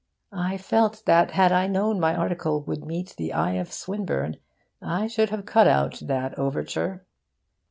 I felt that had I known my article would meet the eye of Swinburne I should have cut out that overture.